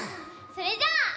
それじゃあ。